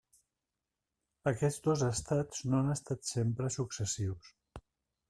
Aquests dos estats no han estat sempre successius.